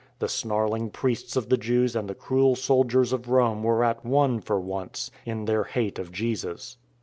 The snarling priests of the Jews and the cruel soldiers of Rome were at one for once, in their hate of the Jesus.